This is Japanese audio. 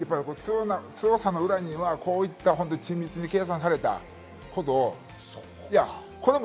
強さの裏には、こういった緻密に計算されたことを。